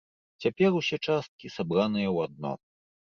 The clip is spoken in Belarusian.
Цяпер усе часткі сабраныя ў адно.